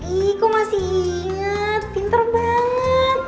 ih kok masih inget pinter banget